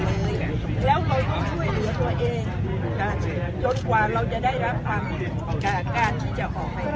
แล้วเราก็ช่วยเหลือตัวเองจนกว่าเราจะได้รับภังค์กับอาการที่จะออกไป